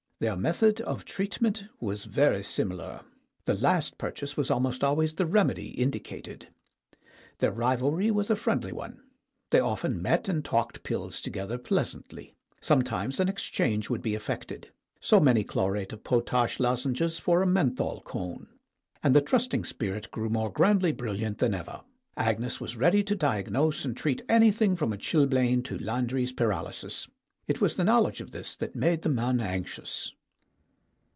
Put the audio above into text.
Their method of treatment was very similar. The last purchase was almost al ways the remedy indicated. Their rivalry was a friendly one; they often met and talked pills together pleasantly. Sometimes an exchange would be effected 84 STORIES WITHOUT TEARS so many chlorate of potash lozenges for a menthol cone. And the trusting spirit grew more grandly bril liant than ever; Agnes was ready to diagnose and treat anything from a chilblain to Landry's paralysis. It was the knowledge of this that made the man anxious.